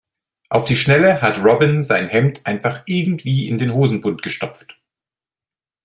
Auf die Schnelle hat Robin sein Hemd einfach irgendwie in den Hosenbund gestopft.